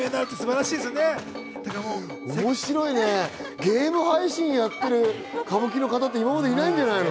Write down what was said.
面白いね、ゲーム配信やってる歌舞伎の方って今までいないんじゃないの？